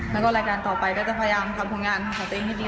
แล้วก็รายการต่อไปก็จะพยายามทำผลงานของตัวเองให้ดี